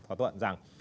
thỏa thuận rằng